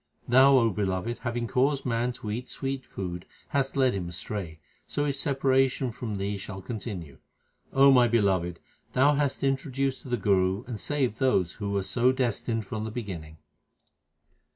Thou, O Beloved, having caused man to eat sweet food hast led him astray ; so his separation from Thee shall con tinue. O my Beloved, Thou hast introduced to the Guru and saved those who were so destined from the beginning.